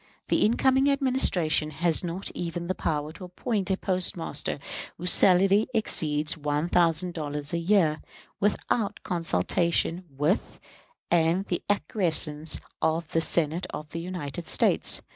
The incoming Administration has not even the power to appoint a postmaster whose salary exceeds one thousand dollars a year, without consultation with and the acquiescence of the Senate of the United States.